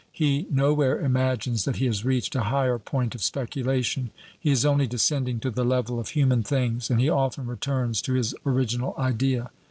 He nowhere imagines that he has reached a higher point of speculation. He is only descending to the level of human things, and he often returns to his original idea.